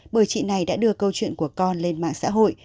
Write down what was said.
bởi chị này đã đưa câu chuyện của con lên mạng xã hội